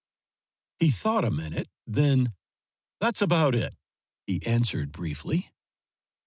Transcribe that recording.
He thought a minute. Then, "That's about it," he answered briefly.